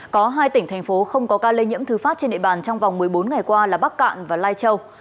có hai tỉnh thành phố không có ca lây nhiễm thứ phát trên địa bàn trong vòng một mươi bốn ngày qua là bắc cạn và lai châu